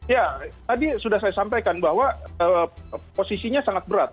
ya tadi sudah saya sampaikan bahwa posisinya sangat berat